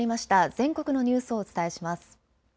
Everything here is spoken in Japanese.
全国のニュースをお伝えします。